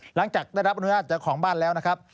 หลังจากได้รับอนุญาตจากเจ้าของบ้านแล้วนะครับ